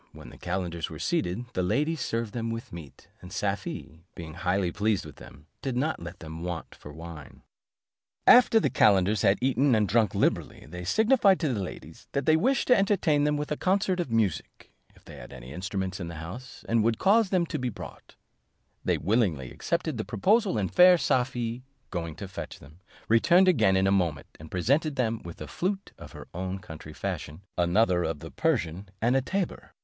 When the calenders were seated, the ladies served them with meat; and Safie, being highly pleased with them, did not let them want for wine. After the calenders had eaten and drunk liberally, they signified to the ladies, that they wished to entertain them with a concert of music, if they had any instruments in the house, and would cause them to be brought: they willingly accepted the proposal, and fair Safie going to fetch them, returned again in a moment, and presented them with a flute of her own country fashion, another of the Persian, and a tabor.